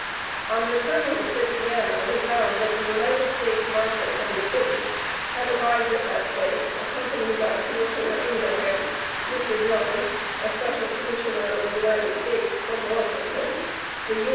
On returning to Christiana, we found that the United States Marshal from the city, had arrived at that place, accompanied by Commissioner Ingraham, Mr. Jones, a special commissioner of the United States, from Washington, the U.